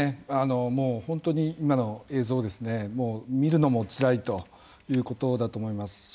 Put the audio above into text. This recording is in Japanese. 本当に今の映像を見るのもつらいということだと思います。